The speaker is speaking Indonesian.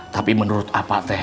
tapi menurut apa teh